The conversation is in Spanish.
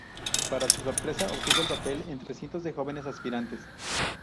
Para su sorpresa, obtuvo el papel de entre cientos de jóvenes aspirantes.